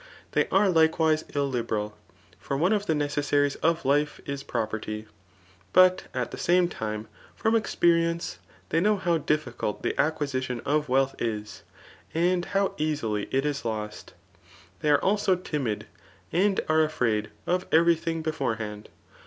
They are likewise illiberal ; for one of the nece^aries of life is property ; but at the same time from experience they know how difficult the acquisition of wealth is, and how easily it is lost* They are also dmid, and are afraid of every thing' beforehand.